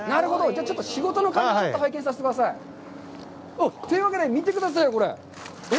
じゃあちょっと仕事の感じ拝見させてください。というわけで、見てくださいよ、これ。